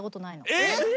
えっ？